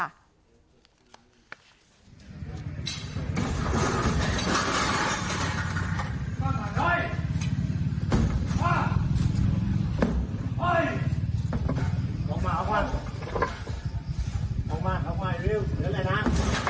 เฮ้ย